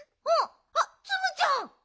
あっツムちゃん。